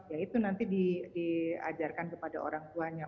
ya itu nanti diajarkan kepada orang tuanya